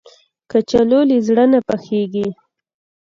کچالو له زړه نه پخېږي